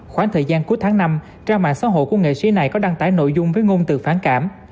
khoảng thời gian cuối tháng năm trang mạng xã hội của nghệ sĩ này có đăng tải nội dung với ngôn từ phản cảm